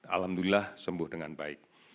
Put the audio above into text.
alhamdulillah sembuh dengan baik